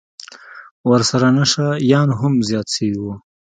ورسره نشه يان هم زيات سوي وو.